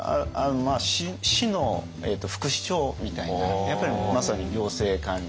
市の副市長みたいなやっぱりまさに行政官僚で。